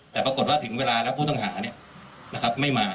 แต่ปรากฏว่าถึงเวลาแล้วผู้ต้องหาเนี่ยนะครับไม่มา